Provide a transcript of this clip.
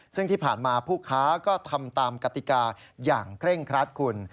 ซึ่งที่ผ่านมาผู้ค้าก็ทำตามกติกาอย่างเคร่งครัดคุณ